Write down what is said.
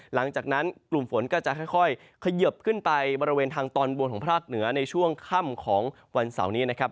หลังจากนั้นกลุ่มฝนก็จะค่อยเขยิบขึ้นไปบริเวณทางตอนบนของภาคเหนือในช่วงค่ำของวันเสาร์นี้นะครับ